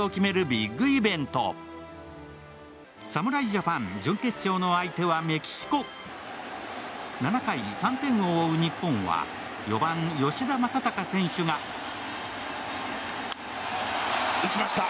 ビッグイベント侍ジャパン準決勝の相手はメキシコ７回３点を追う日本は４番吉田正尚選手が打ちました